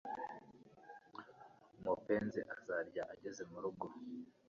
mupenzi azarya ageze murugo